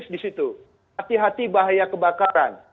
disitu hati hati bahaya kebakaran